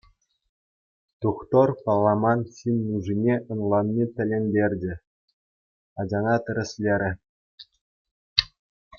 Тухтӑр палламан ҫын нушине ӑнланни тӗлӗнтерчӗ, ачана тӗрӗслерӗ.